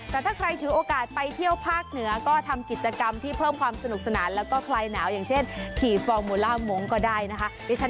แต่ถ้าใครถือโอกาสไปเที่ยวภาคเหนือก็ทำกิจกรรมที่เพิ่มความสนุกสนานแล้วก็คลายหนาวอย่างเช่นขี่ฟอร์มูล่ามงค์ก็ได้นะคะ